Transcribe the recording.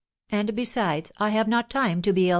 And besides, I have not time to be ill.